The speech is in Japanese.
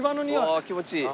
うわあ気持ちいい。